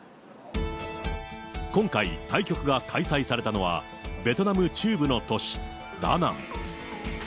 今回、対局が開催されたのは、ベトナム中部の都市ダナン。